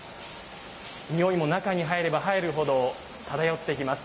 匂いも、中に入れば入るほど漂ってきます。